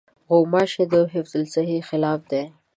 غوماشې د حفظالصحې خلاف دي.